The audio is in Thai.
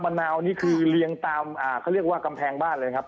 นาวนี่คือเรียงตามเขาเรียกว่ากำแพงบ้านเลยครับ